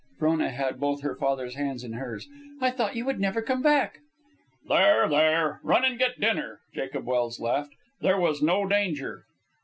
Frona had both her father's hands in hers. "I thought you would never come back." "There, there. Run and get dinner," Jacob Welse laughed. "There was no danger."